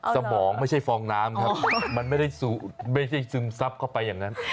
สมองไม่ใช่ฟองน้ำครับมันไม่ได้ซึมซับเข้าไปอย่างนั้น